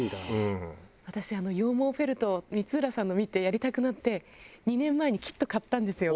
私羊毛フェルトを光浦さんの見てやりたくなって２年前にキット買ったんですよ。